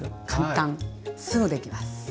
簡単すぐできます。